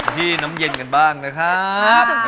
ที่น้ำเย็นกันบ้างนะครับ